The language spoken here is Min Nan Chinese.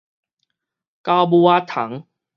狗母仔蟲